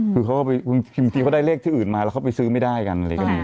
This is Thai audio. คือจริงเขาได้เลขที่อื่นมาแล้วเขาไปซื้อไม่ได้กันอะไรก็มี